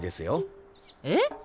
えっ？